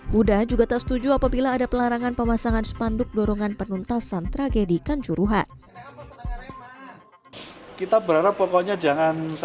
huda juga tak setuju apabila ada pelarangan pemasangan spanduk dorongan penuntasan tragedikan juruhan